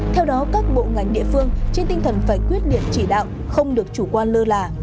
theo đó các bộ ngành địa phương trên tinh thần phải quyết liệt chỉ đạo không được chủ quan lơ là